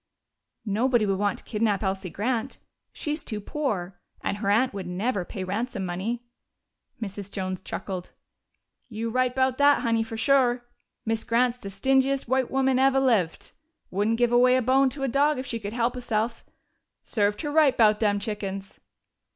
"Nobody would want to kidnap Elsie Grant. She's too poor and her aunt would never pay ransom money." Mrs. Jones chuckled. "You right 'bout dat, Honey, fo' sure. Miz Grant's de stingiest white woman eve' lived. Wouldn't give away a bone to a dog if she could help he'self. Served her right 'bout dem chickens!"